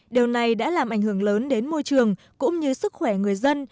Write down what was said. điều này đã làm ảnh hưởng lớn đến môi trường cũng như sức khỏe người dân